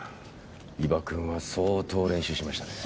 伊庭くんは相当練習しましたね。